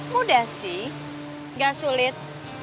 mudah sih gak sulit